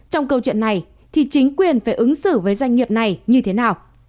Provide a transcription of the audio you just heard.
trong câu chuyện này thì chính quyền phải ứng xử với doanh nghiệp này như thế nào